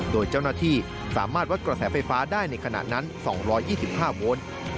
โดยเจ้าหน้าที่สามารถวัดกระแสไฟฟ้าได้ในขณะนั้น๒๒๕โวท์